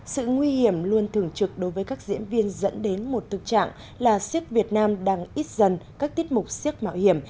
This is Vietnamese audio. sự nguy hiểm luôn thường trực đối với các diễn viên dẫn đến một thực trạng là siếc việt nam đang ít dần các tiết mục siếc mạo hiểm